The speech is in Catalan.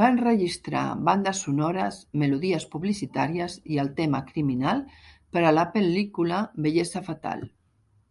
Va enregistrar bandes sonores, melodies publicitàries, i el tema "Criminal", per a la pel·lícula "Bellesa fatal".